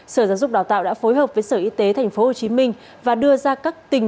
sở giáo dục đào tạo đã phối hợp với sở y tế thành phố hồ chí minh và đưa ra các tình